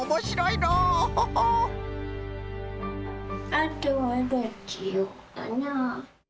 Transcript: あとはどうしようかな。